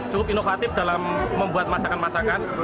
cukup inovatif dalam membuat masakan masakan